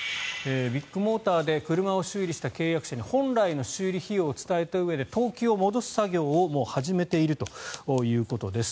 ビッグモーターで車を修理した契約者に本来の修理費用を伝えたうえで等級を戻す作業をもう始めているということです。